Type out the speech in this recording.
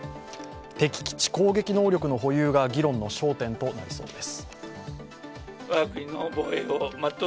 敵基地攻撃能力の保有が議論の焦点となりそうです。